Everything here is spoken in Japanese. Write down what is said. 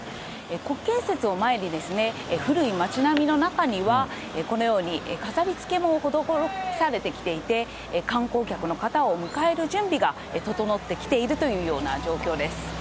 国慶節を前に、古い街並みの中には、このように飾りつけも施されてきていて、観光客の方を迎える準備が整ってきているというような状況です。